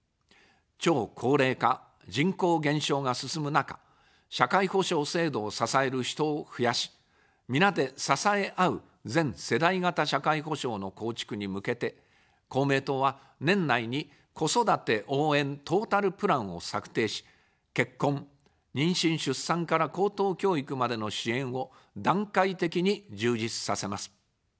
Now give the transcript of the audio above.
超高齢化・人口減少が進む中、社会保障制度を支える人を増やし、皆で支え合う全世代型社会保障の構築に向けて、公明党は、年内に子育て応援トータルプランを策定し、結婚、妊娠・出産から高等教育までの支援を段階的に充実させます。